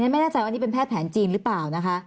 ไม่แน่ใจว่านี่เป็นแพทย์แผนจีนหรือเปล่านะคะ